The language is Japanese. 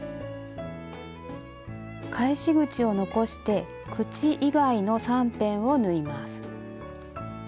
返し口を残して口以外の３辺を縫います。